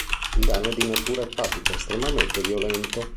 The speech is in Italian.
Il danno è di natura epatica, estremamente violento.